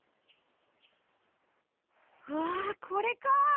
うわこれか！